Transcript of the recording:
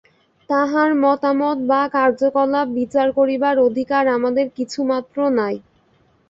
তাঁহার মতামত বা কার্যকলাপ বিচার করিবার অধিকার আমাদের কিছুমাত্র নাই।